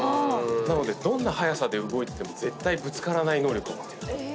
なのでどんな速さで動いてても絶対ぶつからない能力を持っている。